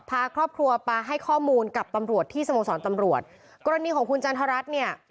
พาครอบครัวไปให้ข้อมูลกับตำรวจที่สโมสรตำรวจกรณีของคุณจันทรัฐเนี่ย